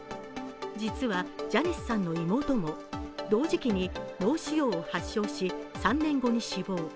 実はジャニスさんの妹も同時期に脳腫瘍を発症し、３年後に死亡。